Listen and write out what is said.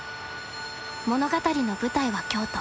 物語の舞台は京都。